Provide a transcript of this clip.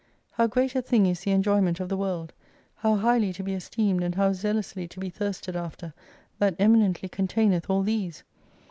How great a thing is the enjoyment of the world, how highly to be esteemed and how zealously to be thirsted after, that eminently containeth all these